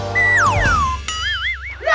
liat kan siapa dia